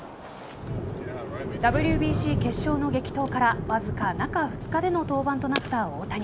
ＷＢＣ決勝の激闘からわずか中２日での登板となった大谷。